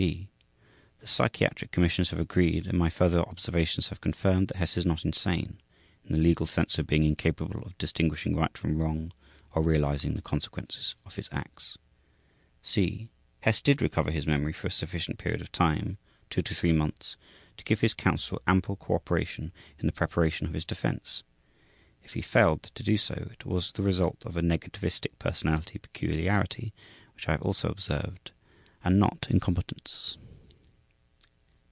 b. The psychiatric commissions have agreed, and my further observations have confirmed, that Hess is not insane (in the legal sense of being incapable of distinguishing right from wrong or realizing the consequences of his acts). c. Hess did recover his memory for a sufficient period of time (2 3 months) to give his counsel ample cooperation in the preparation of his defense. If he failed to do so, it was the result of a negativistic personality peculiarity, which I have also observed, and not incompetence.